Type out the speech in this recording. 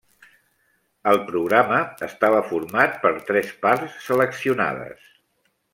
El programa estava format per tres parts seleccionades.